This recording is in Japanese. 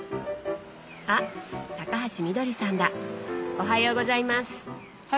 おはようございます。